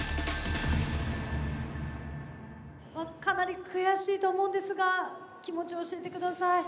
かなり悔しいと思うんですが気持ち教えて下さい。